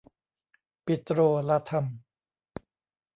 ปิโตรลาทัม